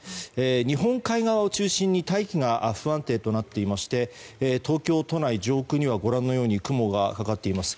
日本海側を中心に大気が不安定となっていまして東京都内上空には、ご覧のように雲がかかっています。